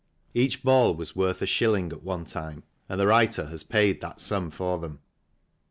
Each ball was worth a shilling at one time and the writer has paid that sum for them.